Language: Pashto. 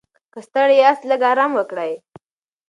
که ستړي یاست، لږ ارام وکړئ.